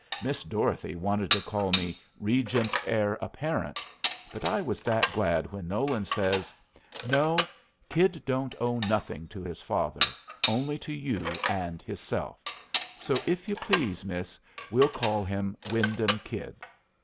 Miss Dorothy wanted to call me "Regent Heir Apparent"; but I was that glad when Nolan says, "No; Kid don't owe nothing to his father, only to you and hisself. So, if you please, miss, we'll call him Wyndham Kid."